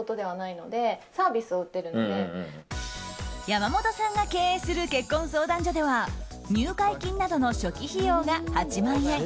山本さんが経営する結婚相談所では入会金などの初期費用が８万円。